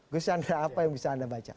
gus chandra apa yang bisa anda baca